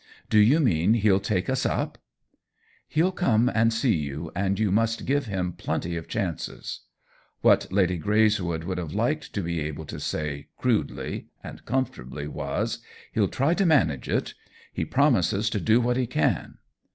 " Do you mean he'll take us up ?"" He'll come and see you, and you must give him plenty of chances." What Lady Greyswood would have liked to be able to say, crudely and comfortably, was, " He'll try to manage it— he promises to do what he can."